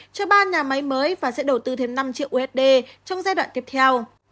cho ba nhà máy mới và sẽ đầu tư thêm năm triệu usd trong giai đoạn tiếp theo